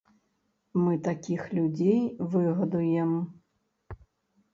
Мы такіх людзей выгадуем.